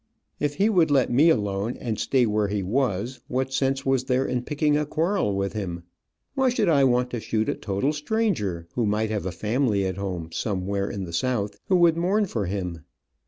If he would let me alone and stay where he was, what sense was there in picking a quarrel with him? Why should I want to shoot a total stranger, who might have a family at home, somewhere in the South, who would mourn for him.